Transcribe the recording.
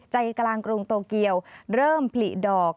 ใจกลางกรุงโตเกียวเริ่มผลิดอก